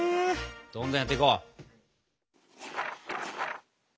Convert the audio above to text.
どんどんやっていこう！